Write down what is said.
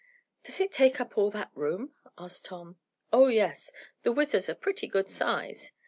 "Does it take up all that room?" asked Tom. "Oh, yes, the WHIZZER is pretty good size.